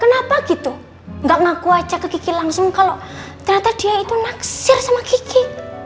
kenapa gitu gak ngaku aja ke kiki langsung kalau ternyata dia itu naksir sama gigi